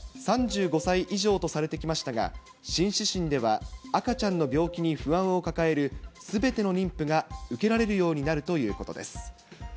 ３５歳以上とされてきましたが、新指針では赤ちゃんの病気に不安を抱えるすべての妊婦が受けられるようになるということです。